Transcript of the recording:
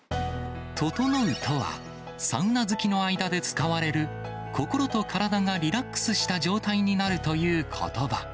ととのうとは、サウナ好きの間で使われる、心と体がリラックスした状態になるということば。